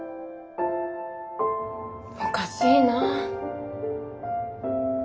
おかしいな。